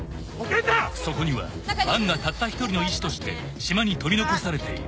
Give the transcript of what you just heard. ［そこには杏がたった一人の医師として島に取り残されている］